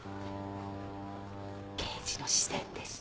刑事の私選です。